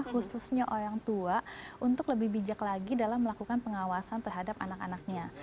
khususnya orang tua untuk lebih bijak lagi dalam melakukan pengawasan terhadap anak anaknya